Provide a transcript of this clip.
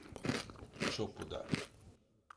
Чопода.